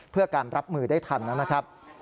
เพื่อการรับมือได้ทันนะครับ